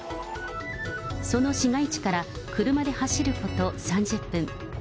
その市街地から車で走ること３０分。